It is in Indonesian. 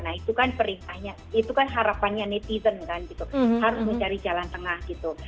nah itu kan perintahnya itu kan harapannya netizen kan gitu harus mencari jalan tengah gitu